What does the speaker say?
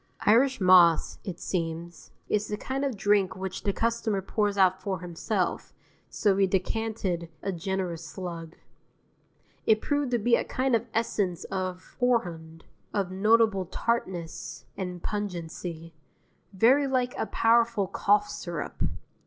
Irish Moss, it seems, is the kind of drink which the customer pours out for himself, so we decanted a generous slug. It proved to be a kind of essence of horehound, of notable tartness and pungency, very like a powerful cough syrup.